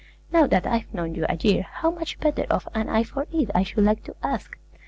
Now that I've known you a year, how much better off am I for it, I should like to ask?